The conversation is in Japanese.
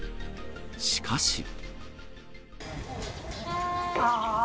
しかし。